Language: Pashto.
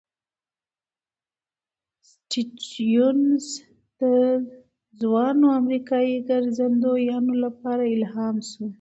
سټيونز د ځوانو امریکايي ګرځندویانو لپاره الهام شو.